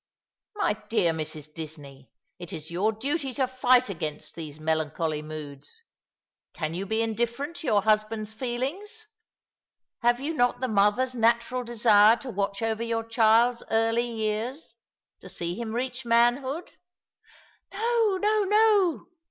" My dear Mrs. Disney, it is your duty to fight against these melancholy moods. Can yon be indifferent to your husband's feelings? Have you not the mother's natural desire to watch over your child's early years, to see him reach manhood ?" "No, no,' no!"